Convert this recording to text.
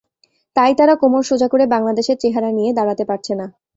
তাই তারা কোমর সোজা করে বাংলাদেশের চেহারা নিয়ে দাঁড়াতে পারছে না।